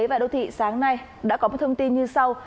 và đô thị sáng nay đã có một thông tin như sau